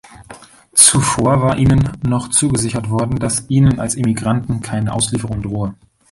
Zuvor war ihnen noch zugesichert worden, dass ihnen als Emigranten keine Auslieferung drohe.